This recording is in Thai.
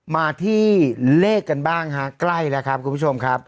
มาที่เลขกันต่างหากไกลครับคุณผู้ชม